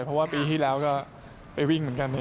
เพราะว่าปีที่แล้วก็ไปวิ่งเหมือนกัน